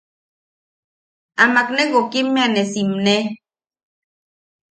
Amak ne wokimmea ne simne.